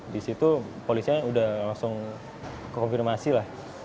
di situ polisnya sudah langsung kekonfirmasi lah